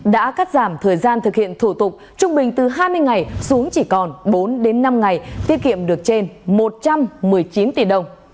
đã cắt giảm thời gian thực hiện thủ tục trung bình từ hai mươi ngày xuống chỉ còn bốn đến năm ngày tiết kiệm được trên một trăm một mươi chín tỷ đồng